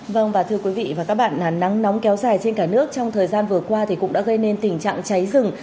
vâng và thưa quý vị và các bạn nắng nóng kéo dài trên cả nước trong thời gian vừa qua thì cũng đã gây nên tình trạng cháy rừng